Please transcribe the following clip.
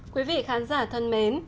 quý vị khán giả thân mến